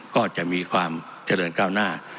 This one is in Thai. ก็จะมีความเจริญก้าวหน้า